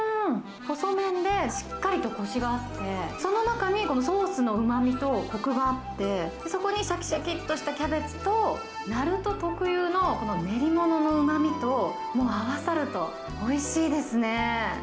細麺で、しっかりとこしがあって、その中にこのソースのうまみとこくがあって、そこにしゃきしゃきっとしたキャベツと、ナルト特有のこの練り物のうまみと合わさると、おいしいですね。